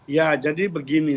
ya jadi begini